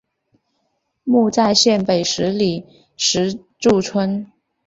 墓在县北十里石柱村。